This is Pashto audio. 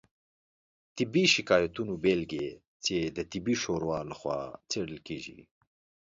طبي شکایتونو بیلګې چې د طبي شورا لخوا څیړل کیږي